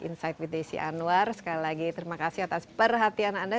insight with desi anwar sekali lagi terima kasih atas perhatian anda